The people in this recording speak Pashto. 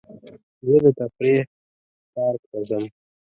زه د تفریح پارک ته ځم.